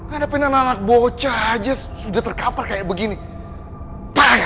ada penanak bocah aja